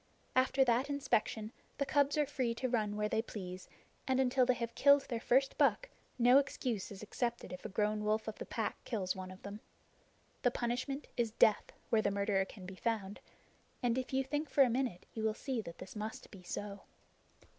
After that inspection the cubs are free to run where they please, and until they have killed their first buck no excuse is accepted if a grown wolf of the Pack kills one of them. The punishment is death where the murderer can be found; and if you think for a minute you will see that this must be so.